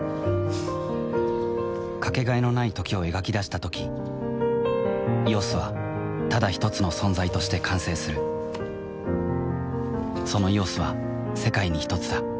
かけがえのない「時」を描き出したとき「ＥＯＳ」はただひとつの存在として完成するその「ＥＯＳ」は世界にひとつだ